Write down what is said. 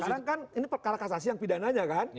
sekarang kan ini perkara kasasi yang pidananya kan